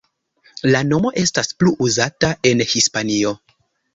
La nomo estas plu uzata en Hispanio.